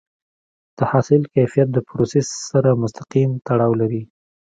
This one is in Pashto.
د حاصل کیفیت د پروسس سره مستقیم تړاو لري.